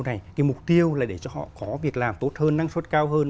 này cái mục tiêu là để cho họ có việc làm tốt hơn năng suất cao hơn